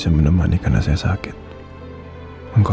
kamu emang begini ya din